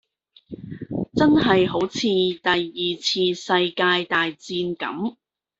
真係好似第二次世界大戰咁